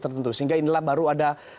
tertentu sehingga inilah baru ada